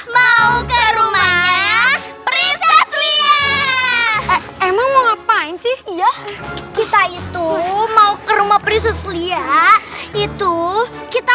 mau ke rumah prinses lia emang ngapain sih kita itu mau ke rumah prinses lia itu kita